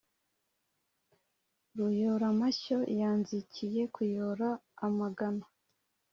ruyoramashyo yanzikiye kuyora amagana.